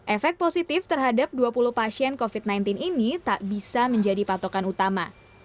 efek positif terhadap dua puluh pasien covid sembilan belas ini tak bisa menjadi patokan utama